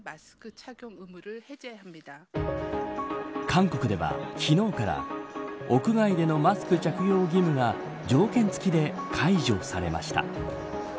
韓国では、昨日から屋外でのマスク着用義務が条件付きで解除されました。